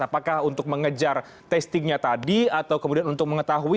apakah untuk mengejar testingnya tadi atau kemudian untuk mengetahui